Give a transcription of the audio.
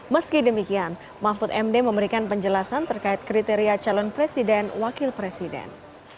meski demikian mahfud md memberikan penjelasan terkait kriteria calon presiden wakil presiden